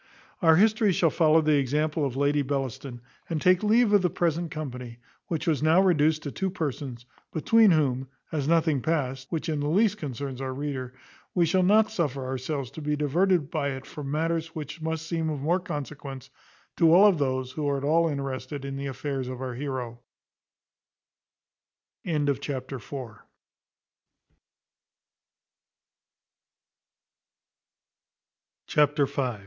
Our history shall follow the example of Lady Bellaston, and take leave of the present company, which was now reduced to two persons; between whom, as nothing passed, which in the least concerns us or our reader, we shall not suffer ourselves to be diverted by it from matters which must seem of more consequence to all those who are at all interested in the affairs of our heroe. Chapter v.